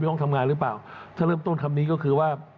ก็น่าจะทราบว่า